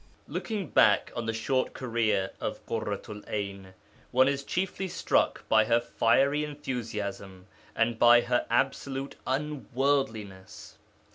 Looking back on the short career of Ḳurratu'l 'Ayn, one is chiefly struck by her fiery enthusiasm and by her absolute unworldliness.